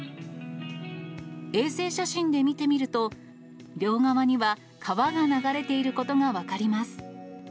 衛星写真で見てみると、両側には川が流れていることが分かります。